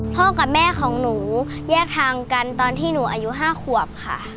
พ่อกับแม่ของหนูแยกทางกันตอนที่หนูอายุ๕ขวบค่ะ